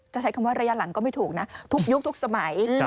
ใช้คำว่าระยะหลังก็ไม่ถูกนะทุกยุคทุกสมัย